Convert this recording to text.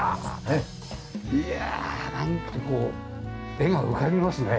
いやあなんかこう絵が浮かびますね。